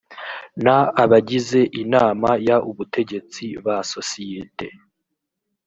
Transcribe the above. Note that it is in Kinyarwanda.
n abagize inama y ubutegetsi ba sosiyete